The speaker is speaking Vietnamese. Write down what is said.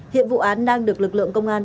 hiện vụ án đang được lực lượng công an